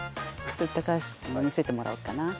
高橋君も見せてもらおうかな。